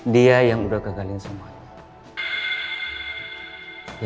dia yang udah kegalin semuanya